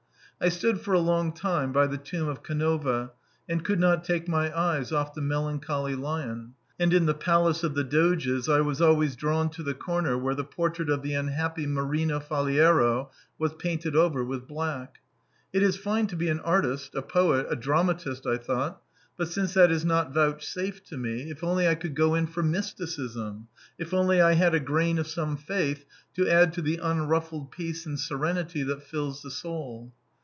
I stood for a long time by the tomb of Canova, and could not take my eyes off the melancholy lion. And in the Palace of the Doges I was always drawn to the corner where the portrait of the unhappy Marino Faliero was painted over with black. "It is fine to be an artist, a poet, a dramatist," I thought, "but since that is not vouchsafed to me, if only I could go in for mysticism! If only I had a grain of some faith to add to the unruffled peace and serenity that fills the soul!"